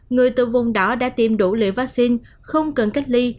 người từ vùng đỏ đã tiêm đủ liều vaccine không cần cách ly